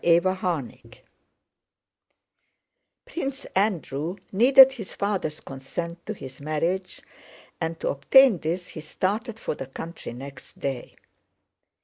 CHAPTER XXIII Prince Andrew needed his father's consent to his marriage, and to obtain this he started for the country next day.